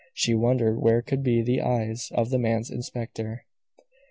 She wondered where could be the eyes of the man's inspector.